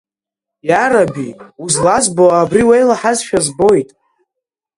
Иараби, узлазбо абри уеилаҳазшәа збоит!